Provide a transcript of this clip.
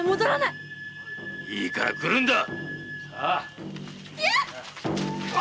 いいから来るんだ！